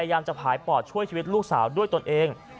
พยายามจะผายปอดช่วยชีวิตลูกสาวด้วยตนเอง